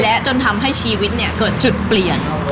และจนทำให้ชีวิตเนี่ยเกิดจุดเปลี่ยน